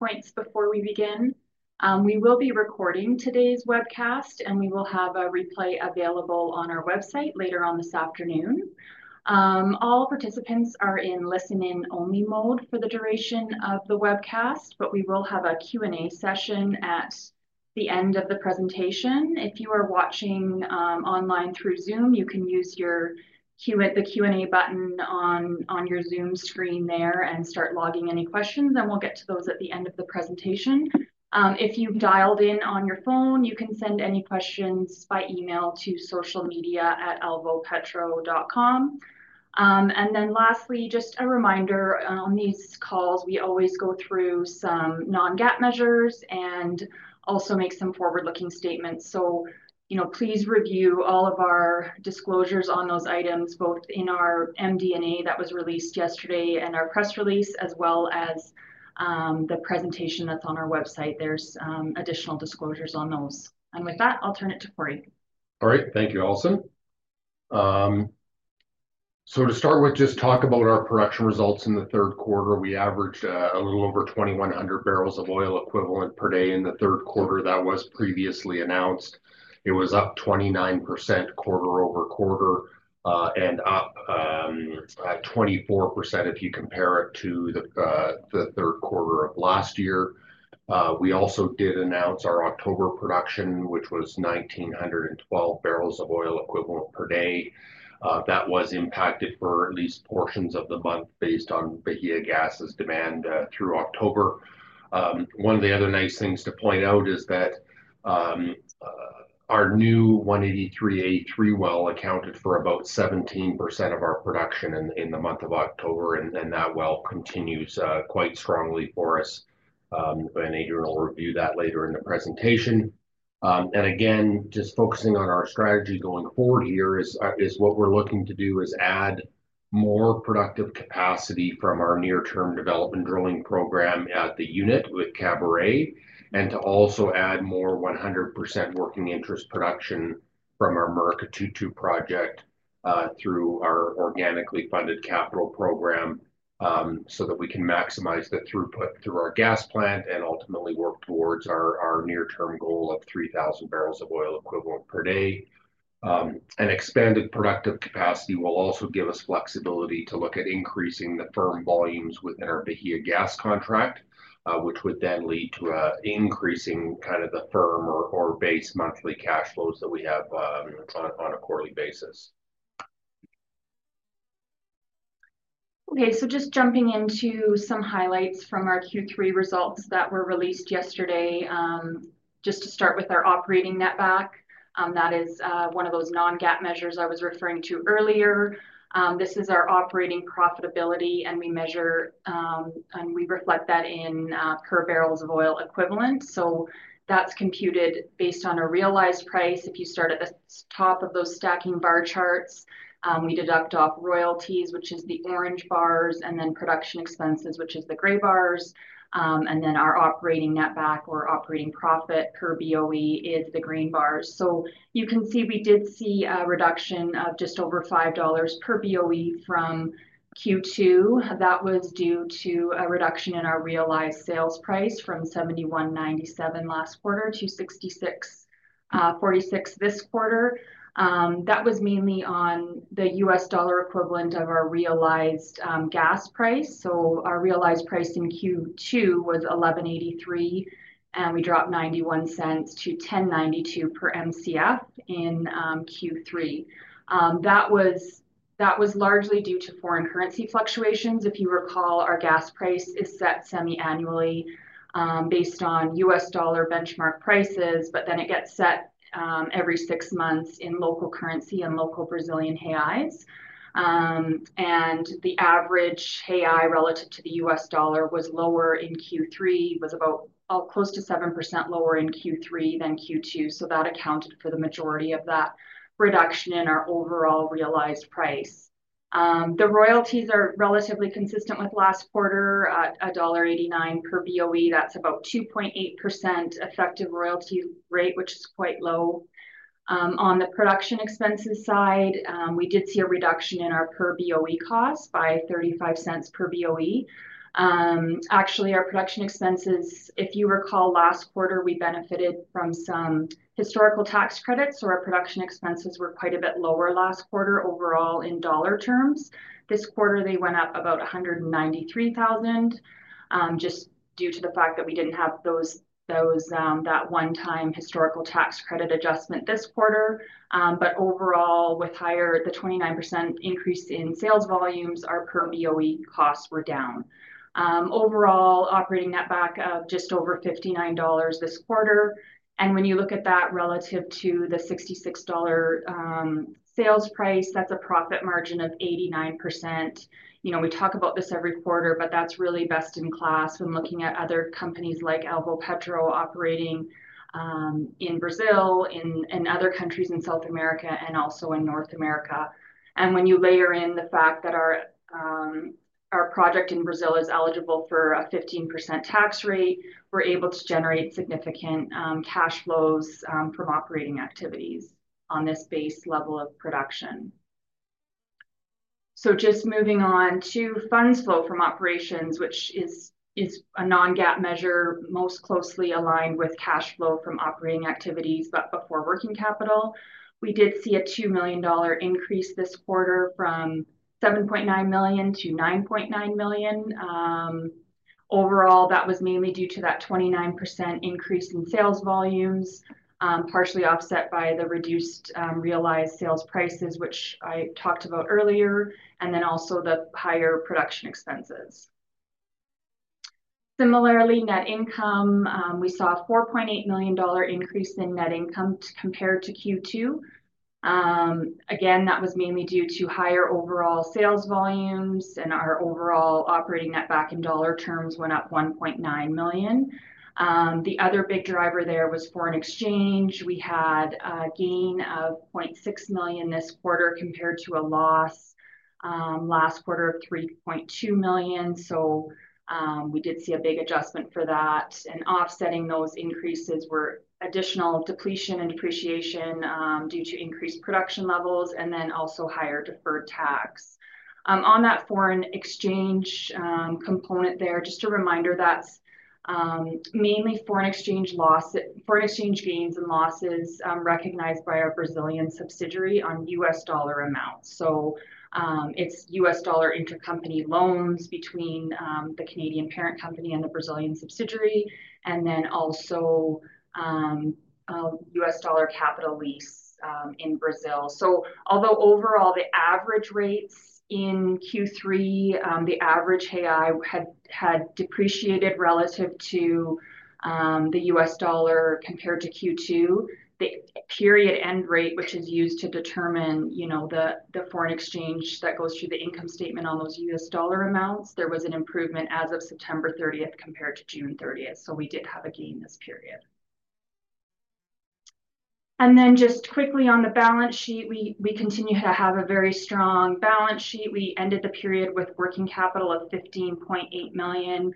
Points before we begin. We will be recording today's webcast, and we will have a replay available on our website later on this afternoon. All participants are in listen-only mode for the duration of the webcast, but we will have a Q&A session at the end of the presentation. If you are watching online through Zoom, you can use the Q&A button on your Zoom screen there and start logging any questions, and we'll get to those at the end of the presentation. If you've dialed in on your phone, you can send any questions by email to socialmedia@alvopetro.com. Then lastly, just a reminder: on these calls, we always go through some non-GAAP measures and also make some forward-looking statements. So please review all of our disclosures on those items, both in our MD&A that was released yesterday and our press release, as well as the presentation that's on our website. There's additional disclosures on those. And with that, I'll turn it to Corey. All right. Thank you, Alison, so to start with, just talk about our production results in the third quarter. We averaged a little over 2,100 barrels of oil equivalent per day in the third quarter that was previously announced. It was up 29% quarter-over-quarter and up 24% if you compare it to the third quarter of last year. We also did announce our October production, which was 1,912 barrels of oil equivalent per day. That was impacted for at least portions of the month based on Bahiagás's demand through October. One of the other nice things to point out is that our new 183-A3 well accounted for about 17% of our production in the month of October, and that well continues quite strongly for us, and Adrian will review that later in the presentation. Again, just focusing on our strategy going forward here, what we're looking to do is add more productive capacity from our near-term development drilling program at the unit with Caburé, and to also add more 100% working interest production from our Murucututu project through our organically funded capital program so that we can maximize the throughput through our gas plant and ultimately work towards our near-term goal of 3,000 barrels of oil equivalent per day. An expanded productive capacity will also give us flexibility to look at increasing the firm volumes within our Bahiagás contract, which would then lead to increasing kind of the firm or base monthly cash flows that we have on a quarterly basis. Okay. So just jumping into some highlights from our Q3 results that were released yesterday, just to start with our operating netback. That is one of those non-GAAP measures I was referring to earlier. This is our operating profitability, and we reflect that in per barrels of oil equivalent. So that's computed based on a realized price. If you start at the top of those stacked bar charts, we deduct off royalties, which is the orange bars, and then production expenses, which is the gray bars. And then our operating netback or operating profit per BOE is the green bars. So you can see we did see a reduction of just over $5 per BOE from Q2. That was due to a reduction in our realized sales price from 7,197 last quarter to 6,646 this quarter. That was mainly on the U.S. dollar equivalent of our realized gas price. Our realized price in Q2 was $1.183, and we dropped $0.91 - $1.092 per MCF in Q3. That was largely due to foreign currency fluctuations. If you recall, our gas price is set semi-annually based on U.S. dollar benchmark prices, but then it gets set every six months in local currency and local Brazilian reais. The average reais relative to the U.S. dollar was lower in Q3, was about close to 7% lower in Q3 than Q2. That accounted for the majority of that reduction in our overall realized price. The royalties are relatively consistent with last quarter, $1.89 per BOE. That's about 2.8% effective royalty rate, which is quite low. On the production expenses side, we did see a reduction in our per BOE cost by $0.35 per BOE. Actually, our production expenses, if you recall, last quarter, we benefited from some historical tax credits, so our production expenses were quite a bit lower last quarter overall in dollar terms. This quarter, they went up about $193,000 just due to the fact that we didn't have that one-time historical tax credit adjustment this quarter. But overall, with the 29% increase in sales volumes, our per BOE costs were down. Overall, operating netback of just over $59 this quarter. And when you look at that relative to the $66 sales price, that's a profit margin of 89%. We talk about this every quarter, but that's really best in class when looking at other companies like Alvopetro operating in Brazil, in other countries in South America, and also in North America. When you layer in the fact that our project in Brazil is eligible for a 15% tax rate, we're able to generate significant cash flows from operating activities on this base level of production. Just moving on to funds flow from operations, which is a non-GAAP measure most closely aligned with cash flow from operating activities, but for working capital. We did see a $2 million increase this quarter from $7.9 million to $9.9 million. Overall, that was mainly due to that 29% increase in sales volumes, partially offset by the reduced realized sales prices, which I talked about earlier, and then also the higher production expenses. Similarly, net income, we saw a $4.8 million increase in net income compared to Q2. Again, that was mainly due to higher overall sales volumes, and our overall operating netback in dollar terms went up $1.9 million. The other big driver there was foreign exchange. We had a gain of $0.6 million this quarter compared to a loss last quarter of $3.2 million. So we did see a big adjustment for that. And offsetting those increases were additional depletion and depreciation due to increased production levels and then also higher deferred tax. On that foreign exchange component there, just a reminder, that's mainly foreign exchange gains and losses recognized by our Brazilian subsidiary on U.S. dollar amounts. So it's U.S. dollar intercompany loans between the Canadian parent company and the Brazilian subsidiary, and then also U.S. dollar capital lease in Brazil. So although overall, the average rates in Q3, the average reais had depreciated relative to the U.S. dollar compared to Q2. The period end rate, which is used to determine the foreign exchange that goes through the income statement on those U.S. dollar amounts, there was an improvement as of September 30th compared to June 30th. So we did have a gain this period. And then just quickly on the balance sheet, we continue to have a very strong balance sheet. We ended the period with working capital of $15.8 million,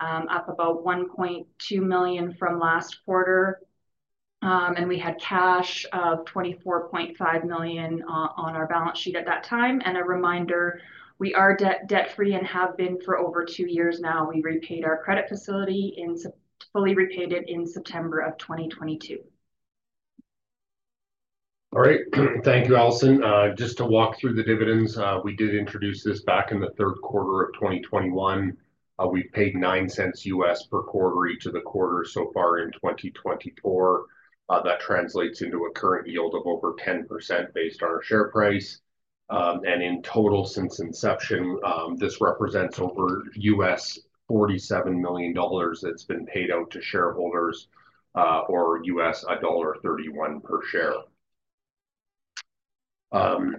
up about $1.2 million from last quarter. And we had cash of $24.5 million on our balance sheet at that time. And a reminder, we are debt-free and have been for over two years now. We repaid our credit facility and fully repaid it in September of 2022. All right. Thank you, Alison. Just to walk through the dividends, we did introduce this back in the third quarter of 2021. We've paid $0.09 per quarter each of the quarters so far in 2024. That translates into a current yield of over 10% based on our share price. And in total, since inception, this represents over $47 million that's been paid out to shareholders or $1.31 per share. So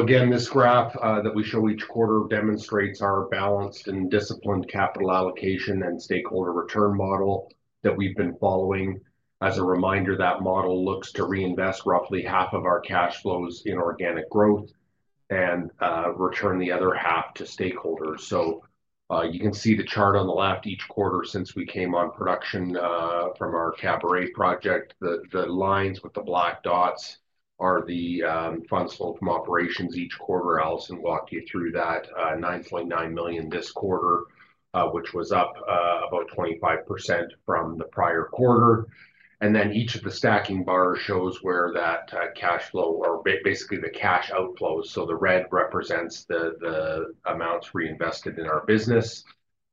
again, this graph that we show each quarter demonstrates our balanced and disciplined capital allocation and stakeholder return model that we've been following. As a reminder, that model looks to reinvest roughly half of our cash flows in organic growth and return the other half to stakeholders. So you can see the chart on the left. Each quarter since we came on production from our Caburé project, the lines with the black dots are the funds flow from operations each quarter. Alison walked you through that, $9.9 million this quarter, which was up about 25% from the prior quarter. And then each of the stacking bars shows where that cash flow or basically the cash outflows. So the red represents the amounts reinvested in our business,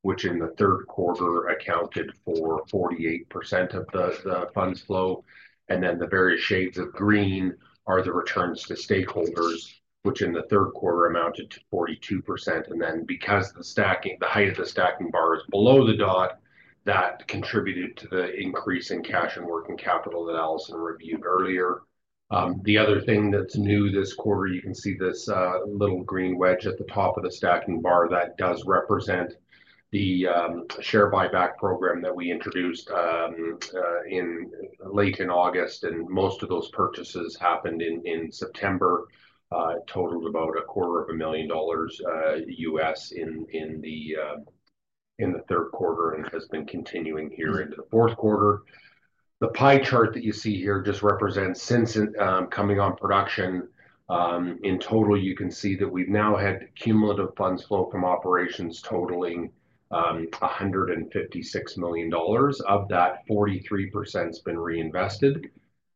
which in the third quarter accounted for 48% of the funds flow. And then the various shades of green are the returns to stakeholders, which in the third quarter amounted to 42%. And then because the height of the stacking bar is below the dot, that contributed to the increase in cash and working capital that Alison reviewed earlier. The other thing that's new this quarter, you can see this little green wedge at the top of the stacking bar that does represent the share buyback program that we introduced late in August, and most of those purchases happened in September, totaled about $250,000 in the third quarter and has been continuing here into the fourth quarter. The pie chart that you see here just represents since coming on production. In total, you can see that we've now had cumulative funds flow from operations totaling $156 million. Of that, 43% has been reinvested,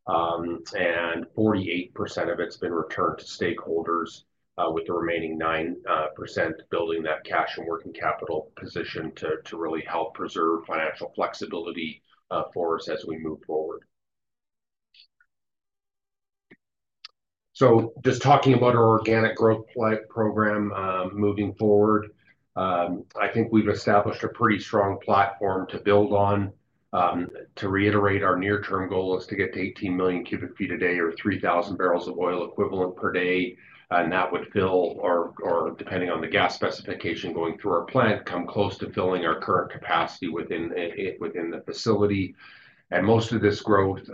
and 48% of it's been returned to stakeholders, with the remaining 9% building that cash and working capital position to really help preserve financial flexibility for us as we move forward. So just talking about our organic growth program moving forward, I think we've established a pretty strong platform to build on. To reiterate, our near-term goal is to get to 18 million cubic feet a day or 3,000 barrels of oil equivalent per day. And that would fill our, depending on the gas specification going through our plant, come close to filling our current capacity within the facility. And most of this growth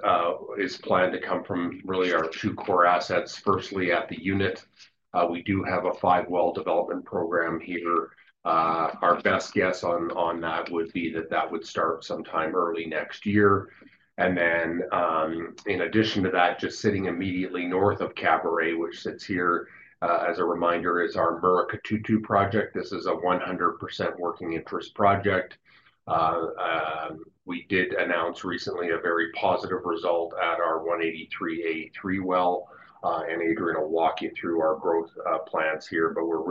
is planned to come from really our two core assets. Firstly, at the unit, we do have a five-well development program here. Our best guess on that would be that that would start sometime early next year. And then in addition to that, just sitting immediately north of Caburé, which sits here, as a reminder, is our Murucututu project. This is a 100% working interest project. We did announce recently a very positive result at our 183-A3 well. And Adrian will walk you through our growth plans here, but we're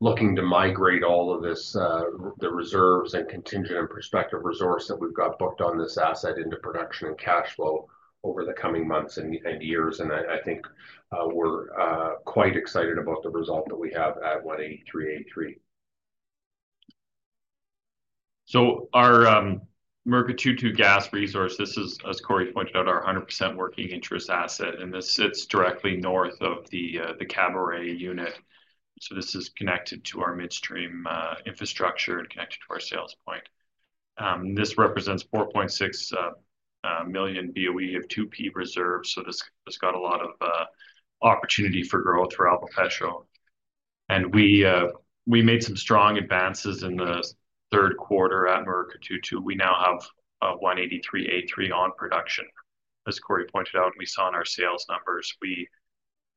really looking to migrate all of this, the reserves and contingent and prospective resource that we've got booked on this asset into production and cash flow over the coming months and years. And I think we're quite excited about the result that we have at 183-A3. So our Murucututu gas resource, this is, as Corey pointed out, our 100% working interest asset. And this sits directly north of the Caburé unit. So this is connected to our midstream infrastructure and connected to our sales point. This represents 4.6 million BOE of 2P reserves. So this got a lot of opportunity for growth for Alvopetro. And we made some strong advances in the third quarter at Murucututu. We now have 183-A3 on production. As Corey pointed out, we saw in our sales numbers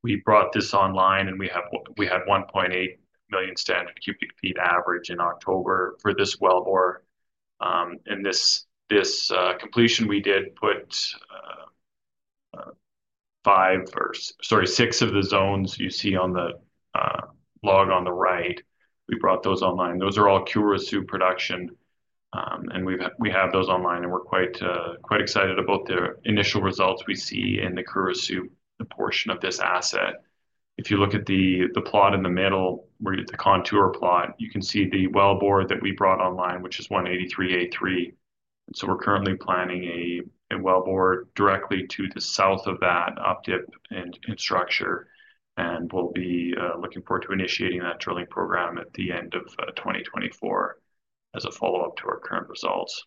we brought this online and we had 1.8 million standard cubic feet average in October for this well. Or in this completion, we did put five or, sorry, six of the zones you see on the log on the right. We brought those online. Those are all Caruaçu production. And we have those online. And we're quite excited about the initial results we see in the Caruaçu portion of this asset. If you look at the plot in the middle, the contour plot, you can see the wellbore that we brought online, which is 183-A3. And so we're currently planning a wellbore directly to the south of that updip and structure. And we'll be looking forward to initiating that drilling program at the end of 2024 as a follow-up to our current results.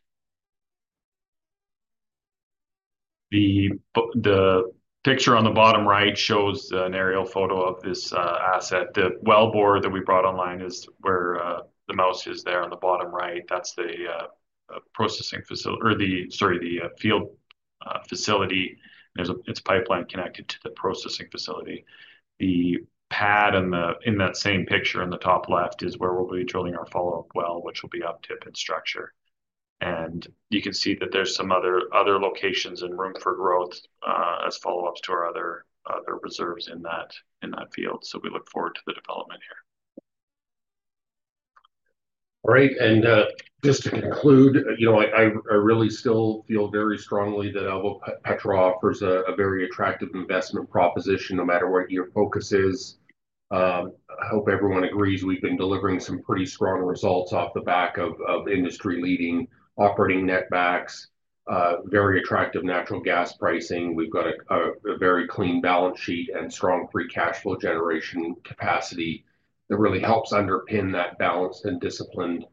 The picture on the bottom right shows an aerial photo of this asset. The wellbore that we brought online is where the mouse is there on the bottom right. That's the processing facility or the, sorry, the field facility. And it's pipeline connected to the processing facility. The pad in that same picture in the top left is where we'll be drilling our follow-up well, which will be updip and structure. And you can see that there's some other locations and room for growth as follow-ups to our other reserves in that field. So we look forward to the development here. All right. And just to conclude, I really still feel very strongly that Alvopetro offers a very attractive investment proposition no matter what your focus is. I hope everyone agrees. We've been delivering some pretty strong results off the back of industry-leading operating netback, very attractive natural gas pricing. We've got a very clean balance sheet and strong free cash flow generation capacity that really helps underpin that balanced and disciplined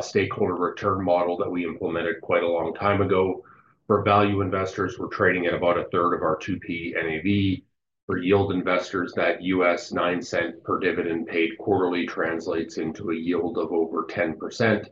stakeholder return model that we implemented quite a long time ago. For value investors, we're trading at about a third of our 2P NAV. For yield investors, that $0.09 per dividend paid quarterly translates into a yield of over 10%.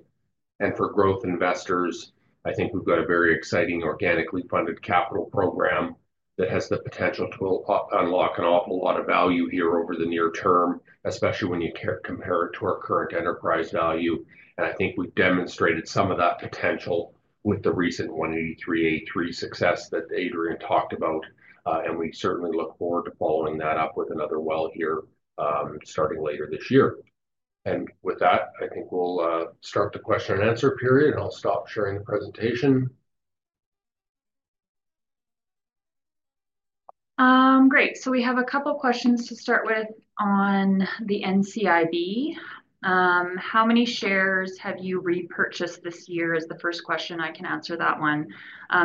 And for growth investors, I think we've got a very exciting organically funded capital program that has the potential to unlock an awful lot of value here over the near term, especially when you compare it to our current enterprise value. And I think we've demonstrated some of that potential with the recent 183-A3 success that Adrian talked about. And we certainly look forward to following that up with another well here starting later this year. And with that, I think we'll start the question and answer period. I'll stop sharing the presentation. Great. So we have a couple of questions to start with on the NCIB. How many shares have you repurchased this year is the first question. I can answer that one.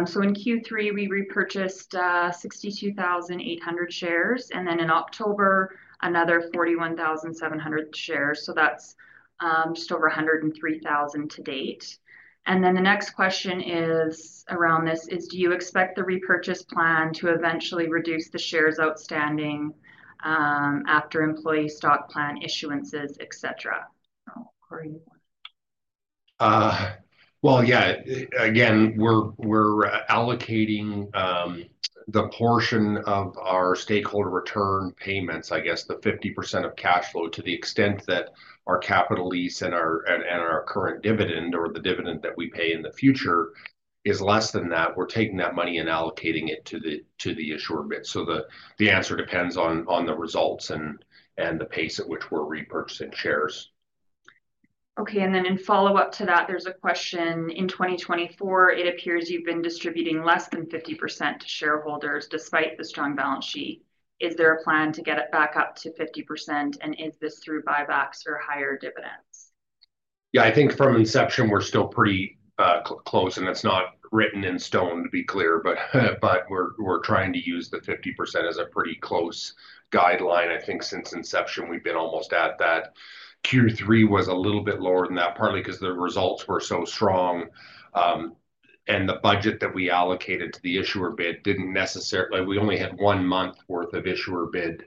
So in Q3, we repurchased 62,800 shares. And then in October, another 41,700 shares. So that's just over 103,000 to date. And then the next question is around this is, do you expect the repurchase plan to eventually reduce the shares outstanding after employee stock plan issuances, etc.? Well, yeah. Again, we're allocating the portion of our shareholder return payments, I guess the 50% of cash flow to the extent that our capital lease and our current dividend or the dividend that we pay in the future is less than that, we're taking that money and allocating it to the NCIB. So the answer depends on the results and the pace at which we're repurchasing shares. Okay, and then in follow-up to that, there's a question. In 2024, it appears you've been distributing less than 50% to shareholders despite the strong balance sheet. Is there a plan to get it back up to 50%? And is this through buybacks or higher dividends? Yeah. I think from inception, we're still pretty close. And that's not written in stone, to be clear. But we're trying to use the 50% as a pretty close guideline. I think since inception, we've been almost at that. Q3 was a little bit lower than that, partly because the results were so strong. And the budget that we allocated to the issuer bid didn't necessarily. We only had one month's worth of issuer bid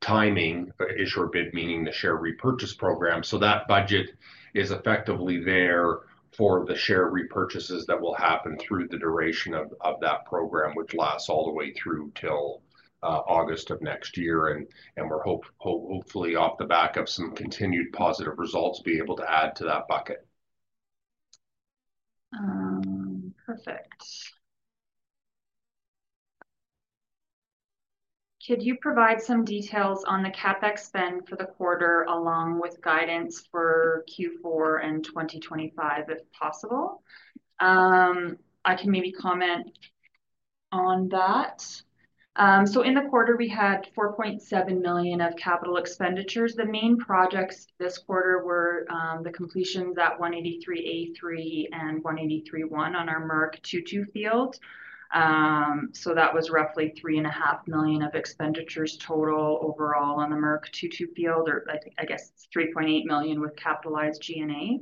timing, issuer bid meaning the share repurchase program. So that budget is effectively there for the share repurchases that will happen through the duration of that program, which lasts all the way through till August of next year. And we're hopefully off the back of some continued positive results be able to add to that bucket. Perfect. Could you provide some details on the CapEx spend for the quarter along with guidance for Q4 and 2025, if possible? I can maybe comment on that. So in the quarter, we had $4.7 million of capital expenditures. The main projects this quarter were the completions at 183-A3 and 183-1 on our Murucututu field. So that was roughly $3.5 million of expenditures total overall on the Murucututu field, or I guess it's $3.8 million with capitalized G&A.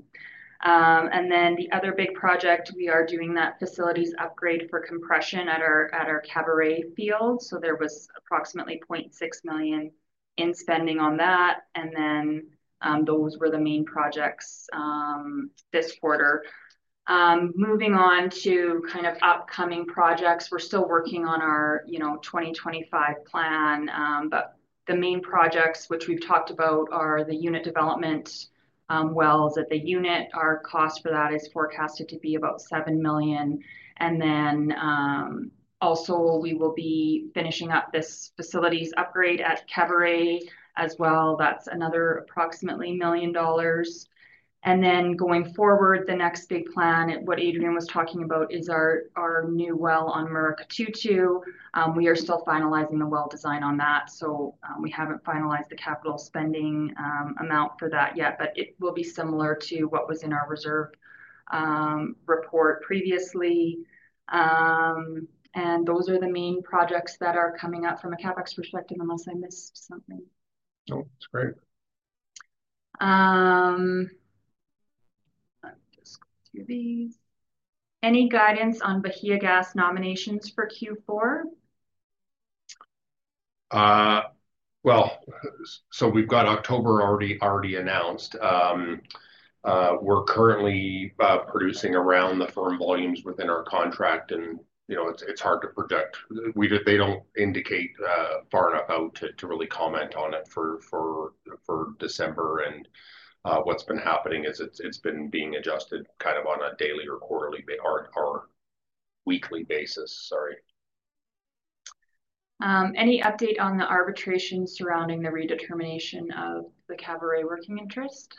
And then the other big project, we are doing that facilities upgrade for compression at our Caburé field. So there was approximately $0.6 million in spending on that. And then those were the main projects this quarter. Moving on to kind of upcoming projects, we're still working on our 2025 plan. But the main projects, which we've talked about, are the unit development wells at the unit. Our cost for that is forecasted to be about $7 million, and then also, we will be finishing up this facilities upgrade at Caburé as well. That's another approximately $1 million, and then going forward, the next big plan, what Adrian was talking about, is our new well on Murucututu. We are still finalizing the well design on that, so we haven't finalized the capital spending amount for that yet, but it will be similar to what was in our reserve report previously, and those are the main projects that are coming up from a CapEx perspective, unless I missed something. No, that's great. Let me just go through these. Any guidance on Bahiagás nominations for Q4? We've got October already announced. We're currently producing around the firm volumes within our contract. It's hard to predict. They don't indicate far enough out to really comment on it for December. What's been happening is it's been being adjusted kind of on a daily or quarterly or weekly basis, sorry. Any update on the arbitration surrounding the redetermination of the Caburé working interest?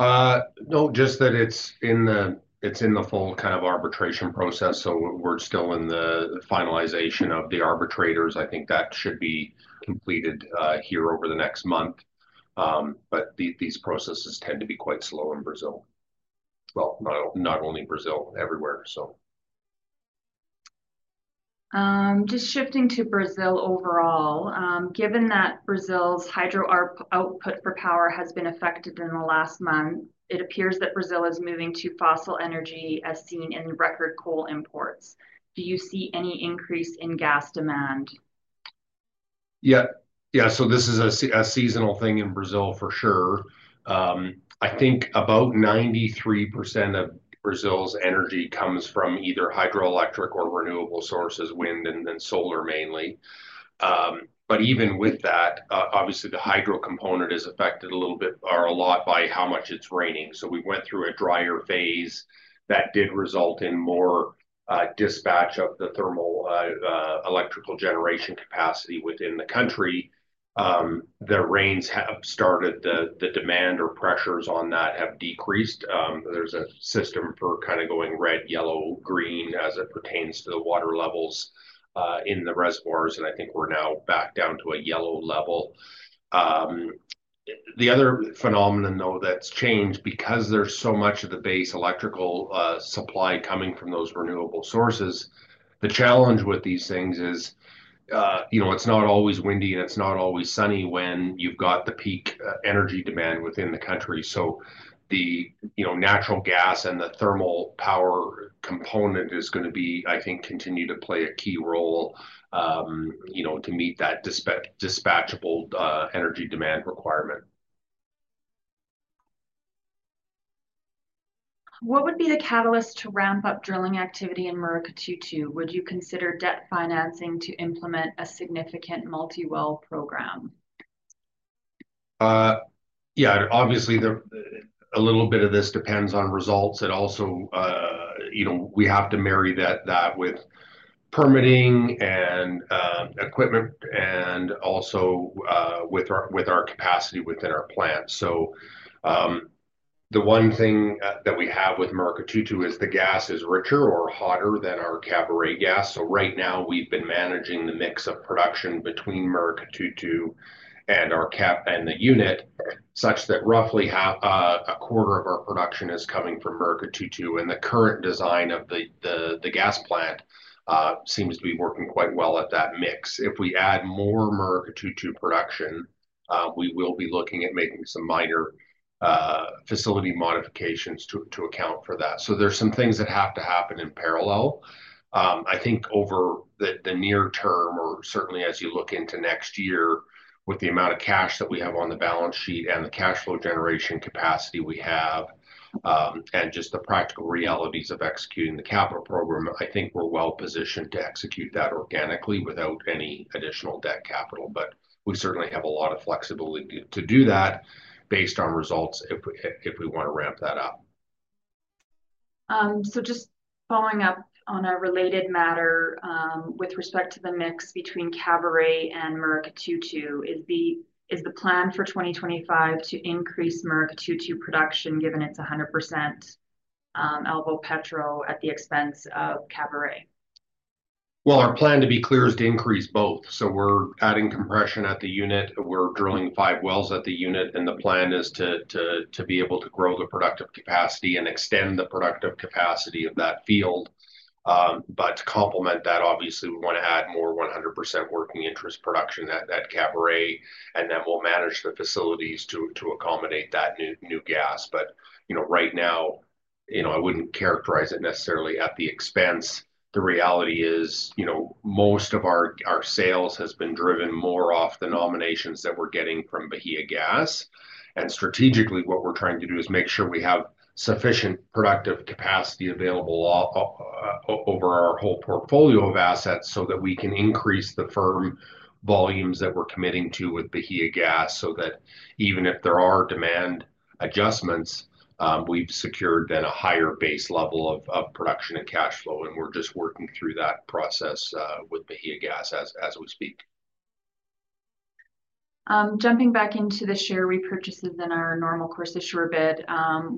No, just that it's in the full kind of arbitration process. So we're still in the finalization of the arbitrators. I think that should be completed here over the next month. But these processes tend to be quite slow in Brazil, well, not only Brazil, everywhere, so. Just shifting to Brazil overall, given that Brazil's hydro output for power has been affected in the last month, it appears that Brazil is moving to fossil energy as seen in record coal imports. Do you see any increase in gas demand? Yeah. Yeah. So this is a seasonal thing in Brazil, for sure. I think about 93% of Brazil's energy comes from either hydroelectric or renewable sources, wind and then solar mainly. But even with that, obviously, the hydro component is affected a little bit or a lot by how much it's raining. So we went through a drier phase that did result in more dispatch of the thermal electrical generation capacity within the country. The rains have started. The demand or pressures on that have decreased. There's a system for kind of going red, yellow, green as it pertains to the water levels in the reservoirs. And I think we're now back down to a yellow level. The other phenomenon, though, that's changed because there's so much of the base electrical supply coming from those renewable sources. The challenge with these things is it's not always windy and it's not always sunny when you've got the peak energy demand within the country. So the natural gas and the thermal power component is going to be, I think, continue to play a key role to meet that dispatchable energy demand requirement. What would be the catalyst to ramp up drilling activity in Murucututu? Would you consider debt financing to implement a significant multi-well program? Yeah. Obviously, a little bit of this depends on results. And also, we have to marry that with permitting and equipment and also with our capacity within our plant. So the one thing that we have with Murucututu is the gas is richer or hotter than our Caburé gas. So right now, we've been managing the mix of production between Murucututu and the unit such that roughly a quarter of our production is coming from Murucututu. And the current design of the gas plant seems to be working quite well at that mix. If we add more Murucututu production, we will be looking at making some minor facility modifications to account for that. So there's some things that have to happen in parallel. I think over the near term, or certainly as you look into next year with the amount of cash that we have on the balance sheet and the cash flow generation capacity we have and just the practical realities of executing the capital program, I think we're well positioned to execute that organically without any additional debt capital. But we certainly have a lot of flexibility to do that based on results if we want to ramp that up. Just following up on a related matter with respect to the mix between Caburé and Murucututu, is the plan for 2025 to increase Murucututu production given it's 100% Alvopetro at the expense of Caburé? Our plan, to be clear, is to increase both. We're adding compression at the unit. We're drilling five wells at the unit. The plan is to be able to grow the productive capacity and extend the productive capacity of that field. To complement that, obviously, we want to add more 100% working interest production at Caburé. We'll manage the facilities to accommodate that new gas. Right now, I wouldn't characterize it necessarily at the expense. The reality is most of our sales has been driven more off the nominations that we're getting from Bahiagás. And strategically, what we're trying to do is make sure we have sufficient productive capacity available over our whole portfolio of assets so that we can increase the firm volumes that we're committing to with Bahiagás so that even if there are demand adjustments, we've secured then a higher base level of production and cash flow. And we're just working through that process with Bahiagás as we speak. Jumping back into the share repurchases in our Normal Course Issuer Bid,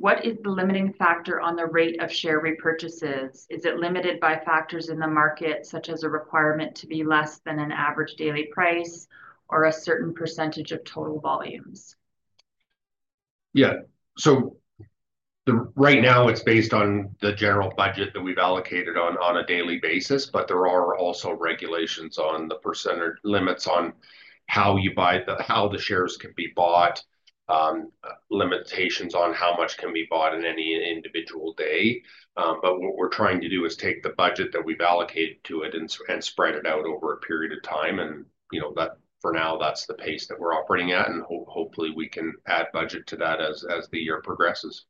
what is the limiting factor on the rate of share repurchases? Is it limited by factors in the market such as a requirement to be less than an average daily price or a certain percentage of total volumes? Yeah. So right now, it's based on the general budget that we've allocated on a daily basis. But there are also regulations on the percentage limits on how the shares can be bought, limitations on how much can be bought in any individual day. But what we're trying to do is take the budget that we've allocated to it and spread it out over a period of time. And for now, that's the pace that we're operating at. And hopefully, we can add budget to that as the year progresses.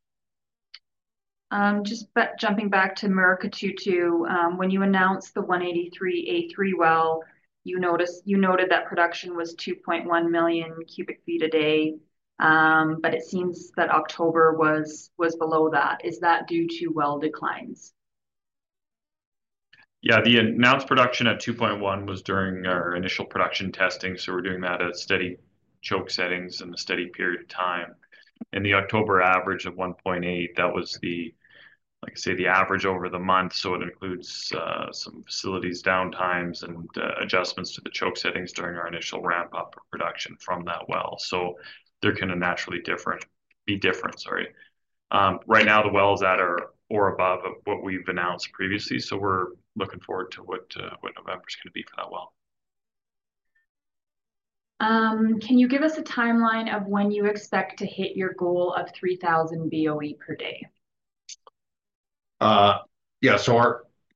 Just jumping back to Murucututu, when you announced the 183-A3 well, you noted that production was 2.1 million cubic feet a day. But it seems that October was below that. Is that due to well declines? Yeah. The announced production at 2.1 was during our initial production testing. So we're doing that at steady choke settings and a steady period of time. In the October average of 1.8, that was, like I say, the average over the month. So it includes some facilities downtimes and adjustments to the choke settings during our initial ramp-up of production from that well. So there can naturally be difference, right? Right now, the well is at or above what we've announced previously. So we're looking forward to what November is going to be for that well. Can you give us a timeline of when you expect to hit your goal of 3,000 BOE per day? Yeah. So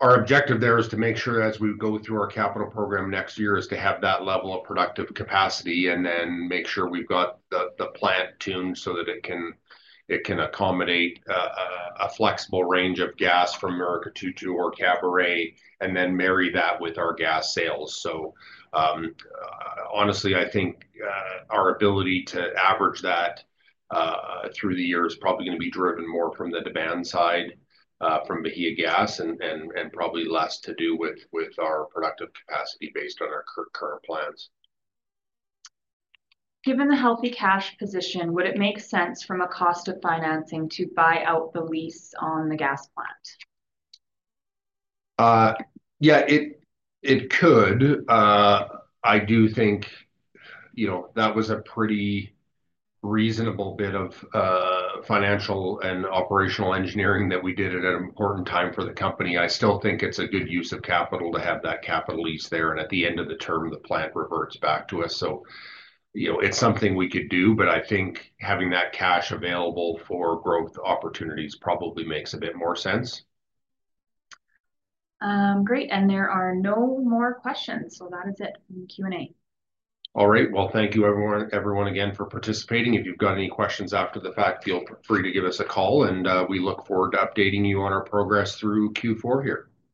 our objective there is to make sure as we go through our capital program next year is to have that level of productive capacity and then make sure we've got the plant tuned so that it can accommodate a flexible range of gas from Murucututu or Caburé and then marry that with our gas sales. So honestly, I think our ability to average that through the year is probably going to be driven more from the demand side from Bahiagás and probably less to do with our productive capacity based on our current plans. Given the healthy cash position, would it make sense from a cost of financing to buy out the lease on the gas plant? Yeah, it could. I do think that was a pretty reasonable bit of financial and operational engineering that we did at an important time for the company. I still think it's a good use of capital to have that capital lease there. And at the end of the term, the plant reverts back to us. So it's something we could do. But I think having that cash available for growth opportunities probably makes a bit more sense. Great. And there are no more questions. So that is it from Q&A. All right. Well, thank you, everyone, again for participating. If you've got any questions after the fact, feel free to give us a call. And we look forward to updating you on our progress through Q4 here.